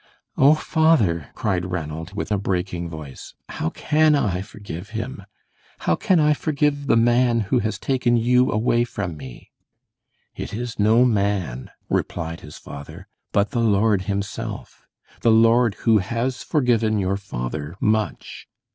"Oh, father!" cried Ranald, with a breaking voice, "how can I forgive him? How can I forgive the man who has taken you away from me?" "It is no man," replied his father, "but the Lord himself; the Lord who has forgiven your father much.